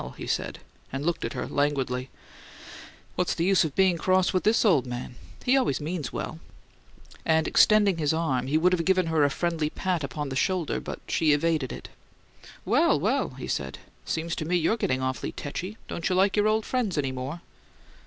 he said, and looked at her languidly. "What's the use of being cross with this old man? He always means well." And, extending his arm, he would have given her a friendly pat upon the shoulder but she evaded it. "Well, well!" he said. "Seems to me you're getting awful tetchy! Don't you like your old friends any more?"